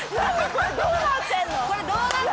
これどうなってる？